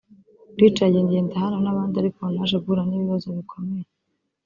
Richard Ngendahano n’abandi ariko naje guhura n’ibibazo bikomeye